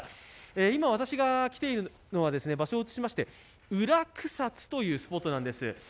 今、私が来ているのは、場所を移しまして裏草津というスポットなんです。